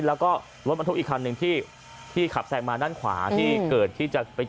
แล้วก็รถบรรทุกอีกคันหนึ่งที่ขับแซงมาด้านขวาที่เกิดที่จะไป